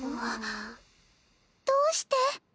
どうして？